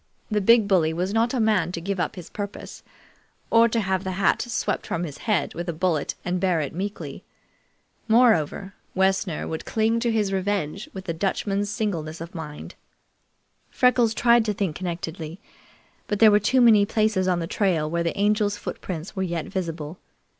The big bully was not a man to give up his purpose, or to have the hat swept from his head with a bullet and bear it meekly. Moreover, Wessner would cling to his revenge with a Dutchman's singleness of mind. Freckles tried to think connectedly, but there were too many places on the trail where the Angel's footprints were vet visible.